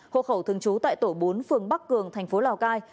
hộ khẩu thường trú tại tổ bốn phường bắc cường thành phố lào cai